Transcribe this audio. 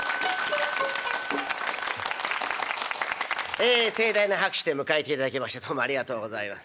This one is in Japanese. え盛大な拍手で迎えていただきましてどうもありがとうございます。